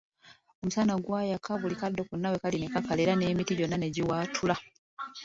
Omusana gwayaka buli kaddo konna wekali ne kakala era n'emiti gyonna ne giwaatula.